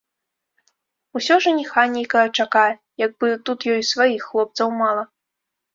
Усё жаніха нейкага чакае, як бы тут ёй сваіх хлопцаў мала.